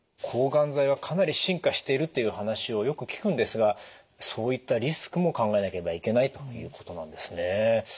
抗がん剤はかなり進化しているっていう話をよく聞くんですがそういったリスクも考えなければいけないということなんですね。